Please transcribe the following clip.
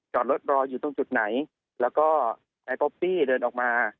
จอดรถรออยู่ตรงจุดไหนแล้วก็นายป๊อปปี้เดินออกมา